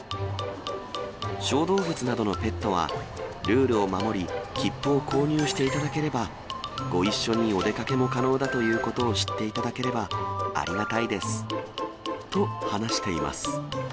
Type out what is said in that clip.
小動物などのペットは、ルールを守り、切符を購入していただければ、ご一緒にお出かけも可能だということを知っていただければありがたいですと話しています。